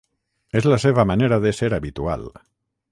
És la seva manera d'ésser habitual.